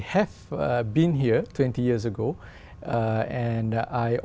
câu hỏi của quý vị